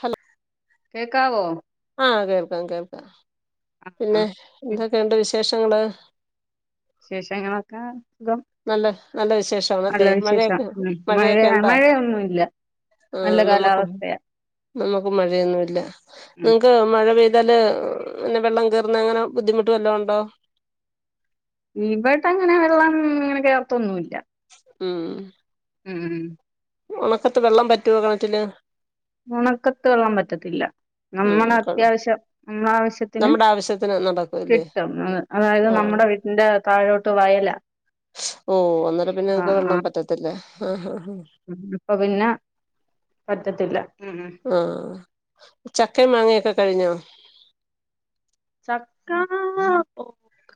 Hello.. കേക്കാവോ.. ആ കേൾക്കാം കേൾക്കാം ആ പിന്നെ എന്തൊക്കെയുണ്ട് വിശേഷങ്ങള്.. വിശേഷം ങ്ങനൊക്കെ.. സുഖം നല്ല നല്ല നല്ല വിശേഷാണല്ലേ വിശേഷം മഴയൊക്കെ ഉം മഴ മഴയൊന്നുല്ല.. ആ നല്ല നമുക്കും കാലാവസ്ഥയാ നമുക്കു. ം മഴയൊന്നുല്ല ഉം നിക്ക് മഴ പെയ.. എന്തല് പിന്നെ വെള്ളം കയറന്ന് അങ്ങനെ ബുദ്ധിമുട്ട് വല്ലൊണ്ടോ.. ഇവട്ട അങ്ങനെ വെള്ളം ഇങ്ങനെ കേർത്തൊന്നുമല്ല.. ഉം ഉം ഉം.. ഒണക്കത്ത് വെള്ളം പറ്റുവോ കിണറ്റില്.. ഒണക്കത്ത് വെള്ളം വറ്റത്തില്ല.. ഉം നമ്മള കാണും. അത്യാവശ്യം നമ്മള ആവശ്യത്തിന് നമ്മുടെ ആവശ്യത്തിന് നടക്കൂല്ലേ കിട്ടും അതായത് നമ്മ.. ആഹ് നമ്മുടെ വീട്ടിന്റെ താഴോട്ട് വയലാ.. ഓ അന്നേരം പിന്നെ ആ നക്ക് ആ വെള്ളൻ പറ്റത്തില്ല ആഹ് ഹഹ ഹ... വറ്റത്തില്ല.. ആ ചക്കേം മാങ്ങൊക്കെ കഴിഞ്ഞോ.. ചക്കാ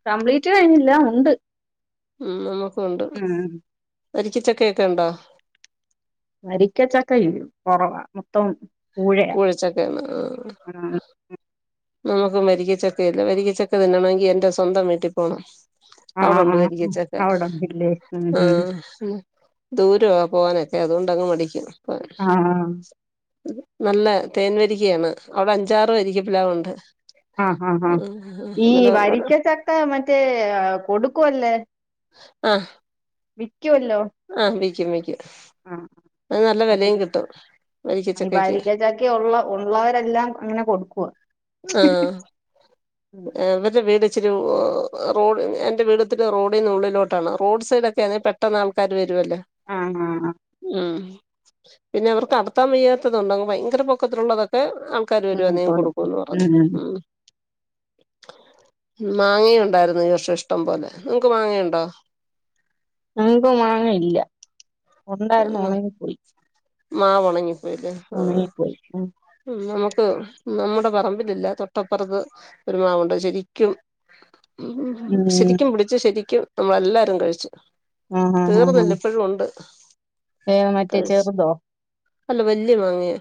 കപ്ലീറ്റ് കഴിഞ്ഞില്ല ഉണ്ട്.. ഉം നമുക്ക ഉണ്ട് ഉം വരിക്കച്ചക്ക ക്കെ ഉണ്ടോ... വരിക്കച്ചക്ക യ് കൊറവാ മൊത്തം.. പൂഴയാ കൂഴച്ചക്കയാണ് ആ.. ആഹ് നമുക്കും വരിക്ക ചക്ക ഇല്ല വരിക്കചക്ക തിന്നണങ്കി എന്റെ സ്വന്തം വീട്ടിൽ പോണം.. ആഹ് അവിടൊണ്ട് ആഹ് വരിക്കച്ചക്ക അവിടൊന്നില്ലേ ഉം ആ ഉം ഉം... ദൂരവ പോവാനൊക്കെ അതുകൊണ്ടങ്ങ് മടിക്കും... ആഹ നല്ല തേൻവരിക്കയാണ് അവിടെ അഞ്ചാറ് വരിക്ക പിലാവുണ്ട്... ആഹ് ആഹ് ആ ഈ ഓരോ വരിക്ക ചക്ക മറ്റേ കൊടുക്കുവല്ലേ അ വിക്കു വല്ലോ.. അ നല്ല വിലയും കിട്ടും... വരിക്കച്ചക്കയ്ക്ക് വരിക്ക ചക്ക ഉള്ള ഉള്ളവരെല്ലാം അങ്ങനെ കൊടുക്കുവ... ആഹ് ആ [unintelligible] ച്ചിരി എൻ്റെ വീടത്തിരി റോഡീ ന്നുള്ളിലോട്ടാണ് റോഡ് സൈഡ് ഒക്കെ ആണെൻക്കിൽ പെട്ടെന്ന് ആൾക്കാര് വരുമല്ലേ.. ആഹ് ആഹ് ഉം പിന്നെ അവർക്ക് അടത്താൻ വയ്യാത്തതുണ്ട് ഭയങ്കര പൊക്കത്തിലുള്ളതൊക്കെ... ആൾക്കാര് വരും കൊടുക്കും.. ഉം ഉം മാങ്ങയുണ്ടായിരുന്നു ഈ വർഷം ഇഷ്ടം പോലെ നിങ്ങക്ക് മാങ്ങ യുണ്ടോ... ഞങ്ങക്ക് മാങ്ങ ഇല്ല ഉണ്ടായിരുന്നു ആഹ് ഉണങ്ങി പോയി.. മാവ് ഉണങ്ങിപ്പോയിലെ ആ ഉം നമുക്ക്.. ഉം നമ്മുടെ പറമ്പിലില്ല തൊട്ടപ്പുറത്ത് ഒരുമാവ്ണ്ട് ശരിക്കും.. ഉം ഉ ശരിക്കും പിടിച്ചു ശരിക്കും നമ്മളെല്ലാരും കഴിച്ചു.. തീർന്നില്ല ഇപ്പഴും ഉണ്ട്.. ഏ മറ്റേ ചെറുതോ.. അല്ല വല്യ മാങ്ങയാ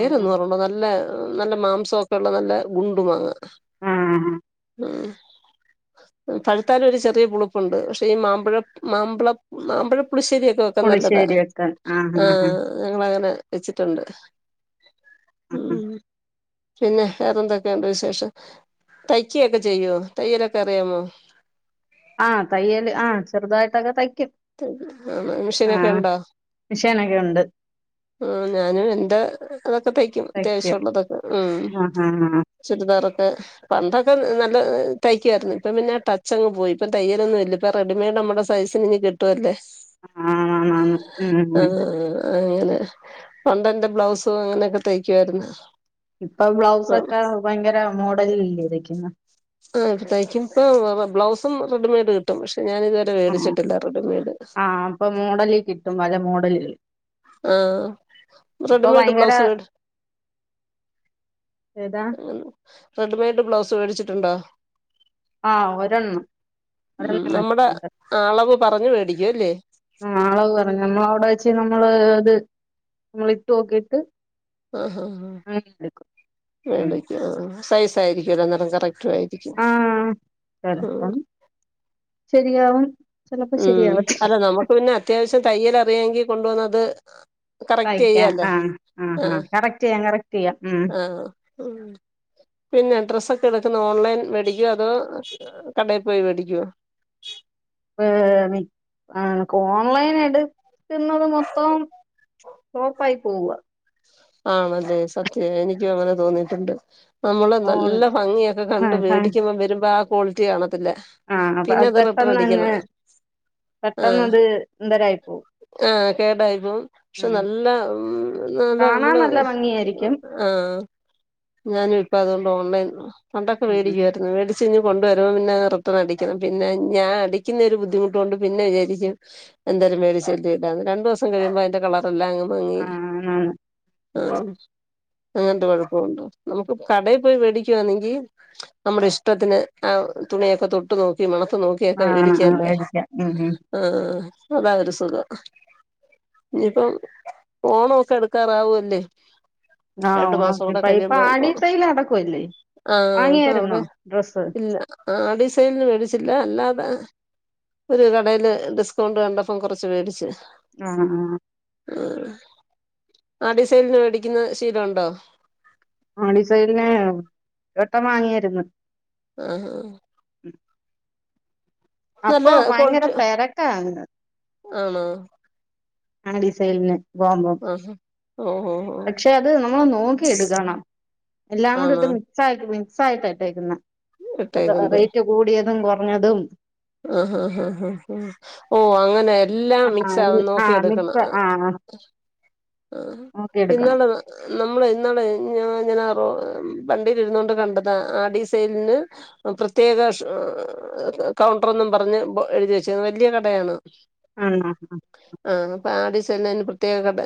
ആഹ് ഓർമ്മ നല്ല... നല്ല മാംസമൊക്കെ ഉള്ള നല്ല ഗുണ്ടും മാങ്ങ... ആഹ ആ... ആഹ.. പഴുത്താലും ഒരു ചെറിയ പുളുപ്പുണ്ട് പക്ഷെ ഈ മാമ്പഴ മാമ്പ മാമ്പഴ പുളിശ്ശേരിയൊക്കെ വെക്കാൻ നല്ലതാ പുളിശ്ശേരി വെക്കാൻ ആഹ് ആ ആഹ് ആഹ് ഞങ്ങളങ്ങനെ വെച്ചിട്ടുണ്ട് ഉ ആഹ് ഉം പിന്നെ വേറെ എന്തൊക്കെയുണ്ട് വിശേഷം തയ്ക്കയൊക്കെ ചെയ്യോ തയ്യലൊക്കെ അറിയാമോ ആഹ് തൈയൽ ആഹ് ചെറുതായിട്ടക തയ് [unintelligible] ആ മിഷേനൊക്കെ ഉണ്ടോ? ണ്ട് ആ ഞാനും എന്റെ ഇതൊക്കെ തയ്ക്കും അത്യാവശ്യം ഉള്ളതൊക്കെ ഉം ആഹ് ആഹ് ചുരിദാറൊ പണ്ടൊക്കെ നല്ല തയ്ക്കുആര്ന്ന് ഇപ്പം പിന്നെ ടച്ചങ്ങ് പോയി ഇപ്പ തയ്യലൊന്നുയില്ല ഇപ്പ റെഡിമയ്ഡ്‌ നമ്മടെ സൈസിനിങ്ങ് കിട്ടുവല്ലേ ആണാണാണ് ഉം ആ ഉം ആ ആ അങ്ങനെ പണ്ടെന്റെ ബ്ലൗസും അങ്ങനെയൊക്കെ തേയ്ക്കുായിര്ന്ന് ഇപ്പം ബ്ലൗസക്കെ ഭയങ്കര മോഡലിലെല്ലേ തൈക്ക്ന്നെ ആഹ് ഇപ്പ തയ്ക്കും ഇപ്പം ബ ബ ബ്ലൗസും റെഡിമെയ്ഡ് കിട്ടും പക്ഷെ ഞാനിതുവരെ ആ വേടിച്ചെട്ടില്ല റെഡിമെയ്ഡ് ആ അപ്പൊ മോഡലിൽ കിട്ടും പല മോഡലുകള് ആ അ ഇപ്പൊ റെഡിമേഡ് ഭയങ്കര ബ്ലൗസ് വേട് ഏതാ അങ്ങനെ റെഡിമെയ്ഡ് ബ്ലൗസ് വേടിച്ചിട്ടുണ്ടോ ആ ഒരെണ്ണം ഒരെണ്ണം വാങ്ങി [unintelligible] പറഞ്ഞു വേടിക്കു അല്ലേ? ആ അളവ് പറഞ്ഞ് നമ്മളവിടെ വെച്ച് നമ്മള് അത് നമ്മളിട്ടുഓക്കീട്ട് ആഹാ ആ ഉം [unintelligible] സൈസായിരിക്കുഅല്ലോ അന്നേരം കറക് കായിരിക്കും ആ ആ ശെരിയാവും ഉം അല്ല നമുക്ക് പിന്നെ അത്യാവശ്യം തയ്യൽ അറിയായെങ്കി കൊണ്ടുവന്നത് കറക്റ്റ് തയ്ക്കാൻ ചെയ്യാല്ലേ ആ ആ ആ ആഹ് കറക്റ്റ് ചെയ്യാം കറക്റ്റ് ചെയ്യാം ഉം ആഹ ഊ പിന്നെ ഡ്രസ്സൊക്കെ എട ഓൺലൈൻ മേടിക്കോ അതോ കടേ പോയി വേടിക്കോ? [unintelligible] ഓൺലൈൻ എട്ക്ക്ന്നത് മൊത്തം ഓഫായി പോവ്അ ആണതെ സത്യ എനിക്കു അങ്ങനെ തോന്നീട്ടുണ്ട് നമ്മള് ഓൺ നല്ല ഭംഗിയൊക്കെ കണ്ട് ആഹ് ആഹ് വേടിക്കുമ്പൊ വരുമ്പോ ആ കോളിറ്റി കാണ ത്തില്ല പിന്നെ അത് റിട്ടെൺ അടിക്കണ പെട്ടന്നത് എന്തരായി പോഉം കേടായിരുന്നു പക്ഷെ നല്ല ഉം നല്ല കാണാൻ നമ്മള് നല്ല ഭംഗിയായിരിക്കും ആ ഞാനു ഇപ്പം അതോണ്ട് ഓൺലൈൻ പണ്ടൊക്കെ ഉം വേടിക്കുവായിര്ന്ന് വേടി ച്ച് കൊണ്ടുവരു പിന്നെ റിട്ടണടിക്കണം പിന്നെ ഞാ അടിക്കുന്നൊരു ബുദ്ധിമുട്ടു കൊണ്ട് പിന്നെ വിചാരിക്കും എന്തായാലും മേടിച്ചല്ലേ ഇടാന്ന് രണ്ടൂസം കഴിയുമ്പം കളറെല്ലാ അങ്ങ് മങ്ങി ആഹ് ആണ് ആ അങ്ങനത്തെ കുഴപ്പമുണ്ടോ നമുക്ക് കടയ് പോയി വേടിക്കുവാന്നെങ്കി നമ്മുടെ ഇഷ്ടത്തിന് ആ തുണിയൊക്കെ തൊട്ട് നോക്കി മണത്തു നോക്കിയൊക്കെ ആഹ് ആഹ് വേടിക്കാല്ലെ മേടിക്കാം ഉം ഉം ആ അ അതാ ഒരു സുഖം ഇനിയിപ്പം ഫോണൊക്കെ എടു [unintelligible] ല്ലേ ആഹ് ഓണാക്കി പ്പയ് ഇപ്പ ആടി സെയില് നടക്കുവല്ലേ വാങ്ങിയാരുന്നോ ഡ്രസ്സ് ആ ആഡിസെയിൽന് മേടിച്ചില്ല അല്ലാതെ ഒരു കടേല് ഡിസ്കൗണ്ട് കണ്ടപ്പം കുറച്ച് വേടിച്ച് ആ ആ ആ ആഡിസൈൽന് വേടിക്കുന്ന ശീലം ഉണ്ടോ ആഡിസൈൽന് ഏട്ടൻ വാങ്ങിയായിര്ന്ന് ആഹ ആ അപ്പൊ ഭയങ്കര ക്വാളിറ്റി തിരക്കാന്ന് ആണോ ആടിസൈൽ പോമ്പം ആഹ് ഓഹ് ഓഹ് ഓഹ് പക്ഷെ അത് നമ്മൾ നോക്കി എടുക്കണം എല്ലാം കൂടെത് ആണോ മിക്സാ [unintelligible] ഇട്ടേക്കുന്നത് റേറ്റ് കൂടിയതും കുറഞ്ഞതും ആഹ ഹാ ആ ഹ ഓ അങ്ങനെ എല്ലാം ആ മിക്സ് ആവും ആ നോക്കി എടുക്കണം മിക്സ് ആ ആഹ നോക്കി എടുക്കണം ഇന്നള നമ്മള് ഇന്നളെ ഞ ഞ റോ വണ്ടിൽ ഇരുന്നോണ്ട് കണ്ടതാ ആഡിസൈലിന്ന് പ്രത്യേക കൗണ്ടറൊന്നും പറഞ്ഞ് എഴുതി വെച്ചേക്ക്‌ന്ന് വലിയ കടയാണ് ആഹ ആ ആഡിസൈൽ പ്രത്യേക കട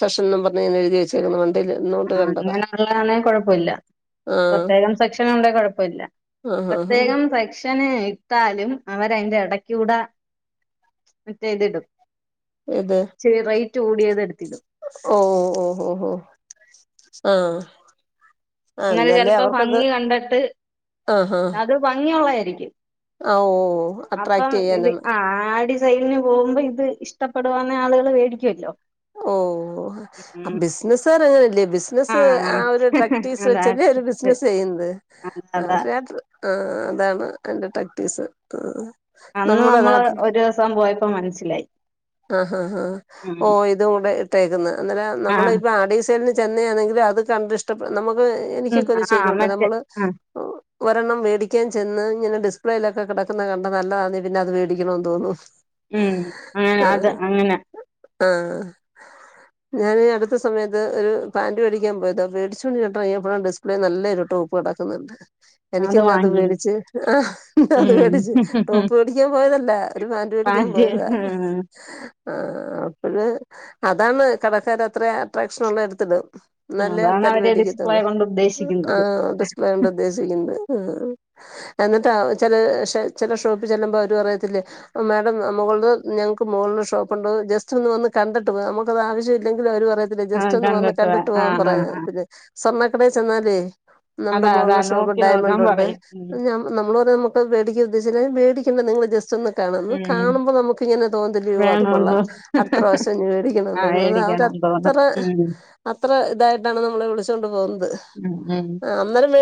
സെഷൻ പറഞ് എഴുതി വെച്ചേക്കന്ന് ആ അങ്ങനെ ഉള്ളതാണേ കൊഴപ്പമില്ല ആഹ് പ്രത്യേകം സെക്ഷന ഉണ്ടെ കുഴപ്പില്ല ആഹ് ആഹ് ആഹ് പ്രത്യേകം സെക്ഷന് ഇത്താലും അവര അതിന്റെ ഇടക്ക കൂടെ മറ്റേ മറ്റതിടും ഏത് റ്റുടിയത് ഓ ഓ ഓ ഓ ഓ ആഹ അങ്ങനെ ചിലപ്പം ഭംഗി കണ്ടിട്ട് ആഹ് ആഹ് അത് ഭംഗിയുള്ളയാ ആഹ് ഓഹ് അപ്പം അട്രാക്ട് ഇത് ചെയ്യാനാണ് ആഡിസൈലന് പോകുമ്പം ഇത് എച് ഇഷ്ടപ്പെടുവുന്നേ ആളുകൾ വേടിക്കുമല്ലോ ഓ അ ബിസിനർ എങ്ങനെ ബിസിനസ്സ് ആ ഒരു ട്ടെക്റ്റീസ് അതാ ചെറിയ ഒരു ട്രിക്ക് ബിസിനസ് ചെയ്യുന്നത് അതാ അതാ അവ ആ അതാണ് എന്റെ ട്ടെക്റ്റീസ് അന്ന് നമ്മുടെ നമ്മള് നാട്ടിൽ ഒരു ദിവസം പോയപ്പോ മനസ്സിലായി ആഹ ആ ഉം ഓ ഇട്ടേക്ക്‌ന്നെ നമ്മള് ആഹ് ഇപ്പോ അടീസലന് ചെന്നാണെങ്കിലും അത് കണ്ട് ഇഷ്ട ഉം എനക്ക് ഒരു ആഹ് ശലുണ്ട് മറ്റേ നമ്മള് ആഹ് ഒരെണ്ണം മേടിക്കാൻ ചെന്ന് ഇങ്ങെ ഡി യിലൊക്കെ കിടക്കുന്നത് കണ്ട നല്ലതണന്ന പിന്നെ അത് മേടിക്കണന്ന് തോന്നു ഉം അങ്ങനെ അത് അങ്ങനെ ആഹ [inaudible] ഞാൻ അടുത്ത സമയത്ത് ഒരു പാാന്റ് മേ ടിക്കാൻ പോയത് മേടിച്ചുകൊണ്ടിട്ട ഇറങ്ങിയപ്പോഴ ഡിസ്പ്ലേ നല്ലായിരിപ്പു കിടക്കുന്നുണ്ട് എനിക്ക് അത് മേടിച്ച് ആ അത് ഉം മേടിച്ചു ടോപ്പ് മേടിക്കാൻ പോയതല്ല ഒരു പാന്റ് മേടിക്കാൻ പോയതാ ആ അപ്പോള് അതാണ് കടക്കർ അത്ര അട്രാക്ഷൻ ഉള്ള എടുത്തിക് നല്ല അതാണ് ആൾക്കാാര് അവര് ഡിസ്പ്ലേ മേടിക്കത്തല്ലെ കൊണ്ട് ആ ഉദ്ദേശിക്കുന്നത് ഡിസ്പ്ല കൊണ്ട് ഉദ്ദേശിക്കുന്നത് [inaudible] എന്നിട്ടാ ചില ചില ഷോപ്പ് ചെല്ലുമ്പോ അവര് പറയത്തില്ലേ മാഡം മുകളഉള്ള ഞങ്ങക്ക് മ ഷോപ്പ് ഉണ്ടോന്ന് ജസ്റ്റ്ന്ന് കണ്ടിട്ട് പോവാ നമുക്കത് ആവശ്യംഇ ല്ലെങ്കിലും അവര് പറയത്തില്ല ആഹ് ജസ്റ്റ് ഒന്ന് വന്ന് വാ കണ്ടിട്ട് പോവാൻ ആഹ് ആഹ് പറയാം ആഹ് പിന്നെ സ്വണ്ണ എ ചെന്നാലേ നമ്മുടെ അതാ അതാ മുകളിലുടെ ഷോപ്പ് നോക്കി നോക്കാൻ ഡയമണ്ട് ഉണ്ട് പറയും ഉം നമ്മള് പറ നമുക്ക്മേടിക്ക ഉദ്ദേശിച്ചേത് നിങ്ങള് ജസ്റ്റ് ഒന്ന് കാണുന്നു ഉം കാണുമ്പോ നമുക്ക് ഇങ്ങനെ [unintelligible] അത് കൊൊള്ളാം വേണോന്ന് അത്ര വശം മേടിക്കണം ആഹ് തോന്നുന്നത് മേടിക്കണം അവരത്ര തോന്നും ഉം അത്ര ഇതായിട്ടാണ് നമ്മളെ വിളിച്ചൊണ്ട് പോകുന്നത് ഉം അന്നേരം മേ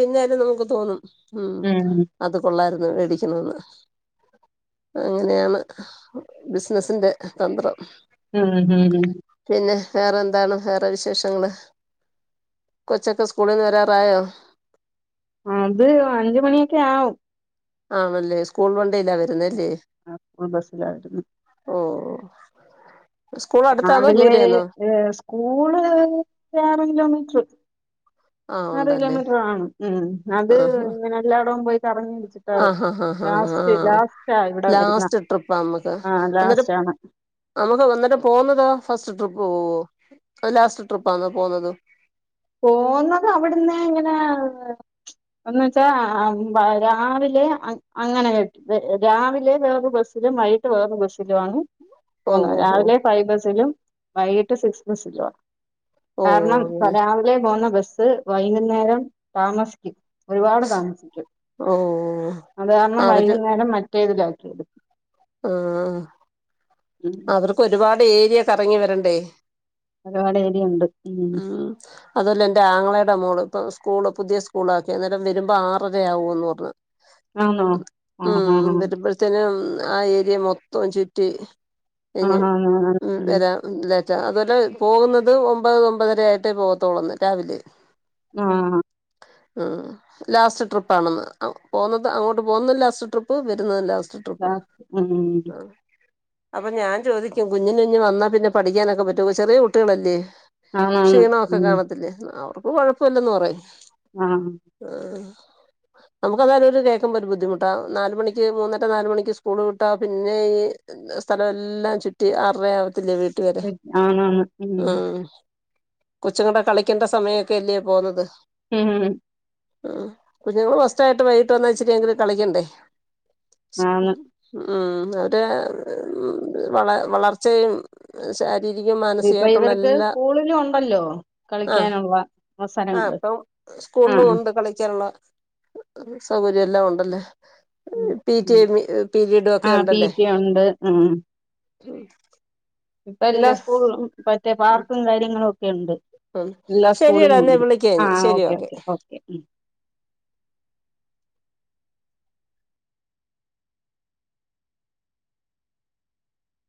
പിന്നാലും നമുക്ക് തോന്നും ഉ ഉം അത് കൊള്ളാരുന്നു മേടിക്കണെന്ന് അങ്ങനെയാണ് ബിസിനസി്റെ താത്വമ് ഉം ഹം വേറെ എന്താണ് വേറെ വിശേഷങ്ങള് കൊച്ചക്കെ സ്കൂളിൽന്ന് വരാറായോ അത് അഞ്ച മണിയൊക്കെ ആകും ആണല്ലേ സ്കൂൾ വണ്ടല്ല വരുന്നല്ലേ സ്കൂൾ ബസ്സിലായിരുന്നു ഓ ഉ രാവിലെ ഏ സ്കൂള് ആറ കിലോമീറ്റർ ആ ആറ് ഉണ്ടല്ലേ കിലോമീറ്റർ ആണ് ഉ അത് ആഹാ എല്ലായിടം പോയി റങ്ങി പിടിച്ചിട്ട ആഹാ ഹാ ഹാ ആ ലാസ്റ്റ് ലാസ്റ്റ് ആ ഇവിടെ വരുന്ന ലാസ്റ്റ് ട്രിപ്പാ നമ്മക്ക് ആ എന്നിട്ട് ലാസ്റ്റ് ആ നമുക്ക് വന്നിട്ട് പോന്നതാ ഫസ്റ്റ് ട്രിപ്പ് പോവോ അ ലാസ്റ്റ് ട്രിപ്പാന്ന പോുന്നത് പോുന്നത് അവിടുന്ന ഇങ്ങനെ ഒന്ന് വെച്ചാ രാവിലെ അങ്ങനെ കട്ടി രാവിലെ വേറ ബസ്സിലും വൈകിട്ട് വേറ ബസ്സിലു ആണ് ഓ പോന്ന ഹോ ഹോ രാവിലെ ഫൈവ് ബസിലും വൈകിട്ട് സിക്സ് ബസ്സിലു ആ ഓ രാവിലെ പോന്ന ബസ്സ് വൈകുന്നേരം താമസിക്കും ഒരുപാട് താമസിക്കും ഓ അത് കാരണം വൈകുന്നേരം മറ്റേതിലാക്കിയെടുക്കും ആ അവർക്ക്ൊ ഒരുപാട് ഏരിയൊക്കെ ഇറങ്ങി വരണ്ടേ ഒരുപാട് ഏരിയുണ്ട് ഉം ഉ അതല എറെ ആങ്ങളെ ഇടോള് ഇപ്പ സ്കൂള് പുതിയ സ്കൂൾ ആക്കി അന്നേരം വരുമ്പോൾ ആറര ആവുംൂ എന്ന് പറഞ്ഞു ആന്നോ ആഹ് ഉം ആഹ് ബരബർ തന്ന ആ ഏരിയ മൊത്തം ചുറ്റി ഇഞ് ആഹ് ആഹ് ആഹ് ഉം വരാ അതുപോലെ പോകുന്നത് ഒമ്പത് ഒമ്പതര ആയിട്ട് പോകത്തോളന്ന് രാവിലെ ആഹ ഉ ലാസ്റ്റ് ട്രിപ്പ്ാണെന്ന് പോുന്നത് അങ്ങോട്ട് പോുന്ന ലാസ്റ്റ് ട്രിപ്പ് വരുന്നത് ലാസ്റ്റ് ആ ട്രിപ്പ് ഉം അപ്പൊ ഞാൻ ചോദിക്കും കുഞ്ഞിന കുഞ്ഞഞ് വന്നാൽ പിന്നെ പഠിക്കാനൊക്കെ പറ്റോ ചെറിയ കുട്ടികളല്ലേ ആന്നാന്ന് ക്ഷീണംൊക്കെ ഉം കാണത്തില്ലേ അവർക്കും ഇപ്പൊ കൊഴപ്പല്ലന്ന് പറ ആഹ് ആ നമുക്ക്തായാലും ഒരു കേൾക്കുമ്പോ ഒരു ബുദ്ധിമുട്ടാ നാല മണിക്ക് മൂന്നറ്റ നാലുമണക്ക് സ്കൂള് കിട്ട പിന്നെ ഈ സ്ഥലം എല്ലാം ചുറ്റി അറയാവത്തില്ലേ വീട്ട വരെ ആന്നാന്ന് ഉം ആ കൊച്ചുകടെ കളിക്കേണ്ട സമയൊക്കെ അല്ലേ പോകുന്നത് ഹം ഉ കുഞ്ഞുങ്ങളൾ ഫസ്റ്റായിട്ട് വൈകിട്ട് വന്ന വച്ചിട്ടങ്കിലും കളിക്കണ്ടേ ആന്ന് ഉം അതെ. വളർ വളർച്ചയും ശാ രീരികം ഇപ്പൊ മാനസികായിട്ടുള്ള ഇവർക്ക് എല്ലാ സ്കൂളിലും ഉണ്ടല്ലോ ആഹ് കളിക്കാനുള്ള ആഹ് അവസരങ്ങള് ഇപ്പം. സ്കൂളിൽ ആഹ് കൊണ്ട് കളിക്കാനുള്ള സൗകര്യം എല്ലാം ഉണ്ടല്ലേ ഉം ഉം പീറ്റിയെ പീരീഡും ഒക്കെ ഉണ്ടല്ലേ. മ്മ് ഉം ഇപ്പ എല്ലാ സ്കൂളും മറ്റേ പാർക്കും കാര്യങ് ഉണ്ട് ഉം എല്ലാ ശരിയടാ സ്കൂളിലും എന്നാ ഉണ്ട് വിളിക്കാം ഇനി ആഹ് ശരി ഓക്കെ ഓക്കെ ഓക്കേ